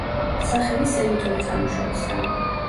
სახელი სემიტური წარმოშობისაა.